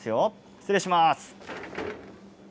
失礼します。